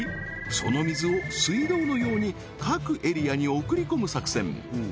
その水を水道のように各エリアに送り込む作戦